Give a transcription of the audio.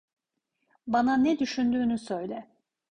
Bana ne düşündüğünü söyle.